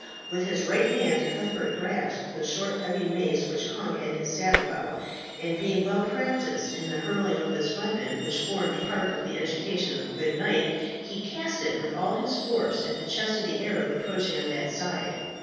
With his right hand Cuthbert grasped the short heavy mace which hung at his saddle bow, and being well practised in the hurling of this weapon which formed part of the education of a good knight he cast it with all his force at the chest of the Arab approaching on that side.